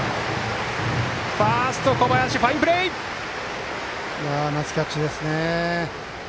ファースト、小林ファインプレー！ナイスキャッチですね。